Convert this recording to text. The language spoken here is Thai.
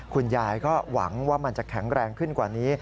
คุณยายก็หวังว่ามันจะแข็งแรงขึ้นกว่านี้